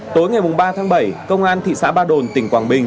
tối ngày ba tháng bảy công an thị xã ba đồn tỉnh quảng bình